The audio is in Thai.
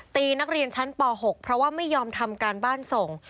ตีนักเรียนชั้นป๖เพราะว่าไม่ยอมทำการบ้านส่ง